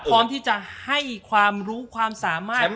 พร้อมที่จะให้ความรู้ความสามารถ